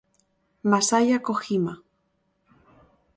Masaya Kojima